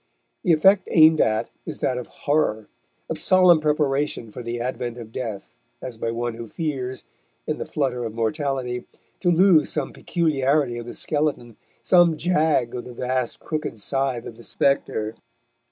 The effect aimed at is that of horror, of solemn preparation for the advent of death, as by one who fears, in the flutter of mortality, to lose some peculiarity of the skeleton, some jag of the vast crooked scythe of the spectre.